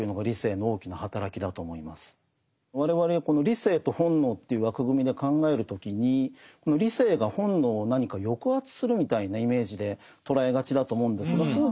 我々この理性と本能という枠組みで考える時に理性が本能を何か抑圧するみたいなイメージで捉えがちだと思うんですがそう